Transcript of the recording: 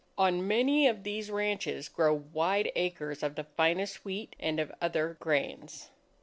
On many of these ranches, grow wide acres of the finest wheat and of other grains.